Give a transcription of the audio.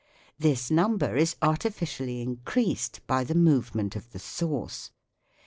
This number is artificially increased by the movement of the source.